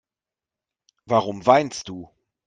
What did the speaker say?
Warum weinst du?